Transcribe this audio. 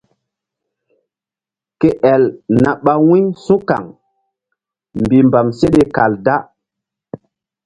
Ke el na ɓa wu̧y su̧kaŋ mbihmbam seɗe kal da.